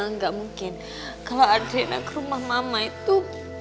enggak mungkin kalo adriana ke rumah mama itu